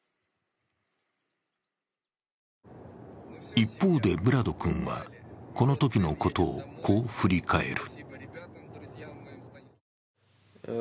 一方でヴラド君は、このときのことをこう振り返る。